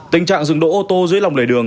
tình trạng dừng đỗ ô tô dưới lòng lề đường